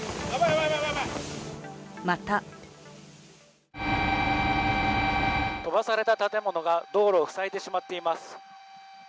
また飛ばされた建物が道路を塞いでしまっています。